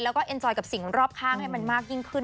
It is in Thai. แล้วก็พนุษย์ที่กับสิ่งรอบข้างให้มันมักยิ่งขึ้น